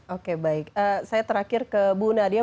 oke baik saya terakhir ke bu nadia